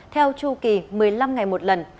theo chu kỳ một mươi năm ngày một lần